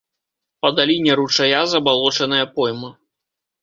Па даліне ручая забалочаная пойма.